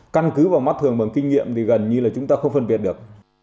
căn cứ vào mặt thường bằng kinh nghiệm thì gần như chúng ta không phân biệt được